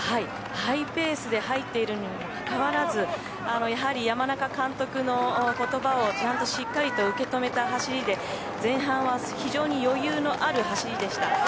ハイペースで入っているにもかかわらずやはり、山中監督の言葉をちゃんとしっかりと受け止めた走りで前半は非常に余裕のある走りでした。